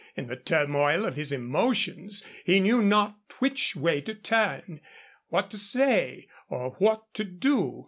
In the turmoil of his emotions he knew not which way to turn, what to say or what to do.